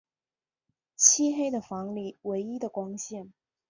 漆黑的房里唯一的光线